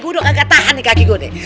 gue udah gak tahan nih kaki gue nih